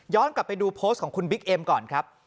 กลับไปดูโพสต์ของคุณบิ๊กเอ็มก่อนครับ